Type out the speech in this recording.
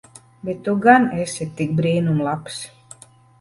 Bet tu gan esi tik brīnum labs.